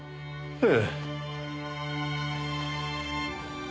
ええ。